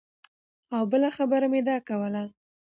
او بله خبره مې دا کوله